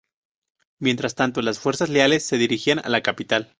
Mientras tanto, las fuerzas leales se dirigían a la capital.